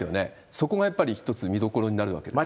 そこがやっぱり一つ見どころになるわけですか？